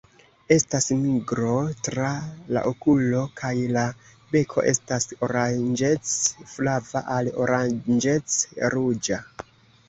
Estas nigro tra la okulo kaj la beko estas oranĝec-flava al oranĝec-ruĝa.